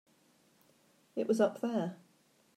It was up there.